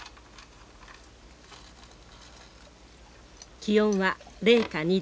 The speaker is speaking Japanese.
気温は零下２度。